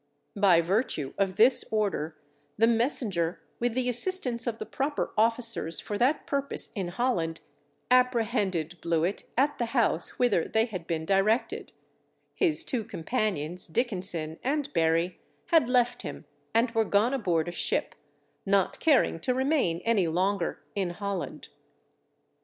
By virtue of this order the messenger, with the assistance of the proper officers for that purpose in Holland, apprehended Blewit at the house whither they had been directed; his two companions Dickenson and Berry, had left him and were gone aboard a ship, not caring to remain any longer in Holland.